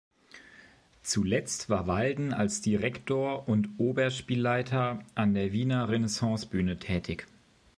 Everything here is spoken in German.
Zuletzt war Walden als Direktor und Oberspielleiter an der Wiener Renaissance-Bühne tätig.